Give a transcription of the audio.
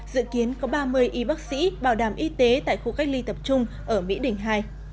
dự kiến có ba mươi y bác sĩ bảo đảm y tế tại khu cách ly tập trung ở mỹ đình hai